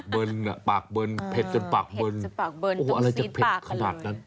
เผ็ดจนปากเบินโอ๊ยอะไรจะเผ็ดขนาดนั้นโอ๊ยอะไรจะเผ็ดขนาดนั้น